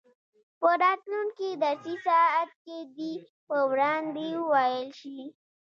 په راتلونکي درسي ساعت کې دې په وړاندې وویل شي.